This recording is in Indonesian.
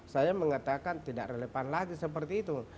saya mengatakan tidak relevan lagi seperti itu